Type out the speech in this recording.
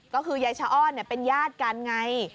ก็คือยายชะอ้อนเป็นญาติกันไง